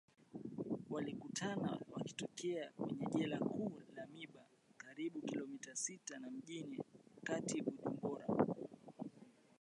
walikamatwa wakitokea kwenye jela kuu la mimba karibu kilomita sita na mjini kati bujumbura